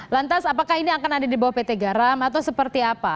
lantas apakah ini akan ada di bawah pt garam atau seperti apa